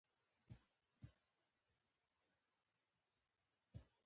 خو انجیل یې هم دقیق ځای نه په ګوته کوي.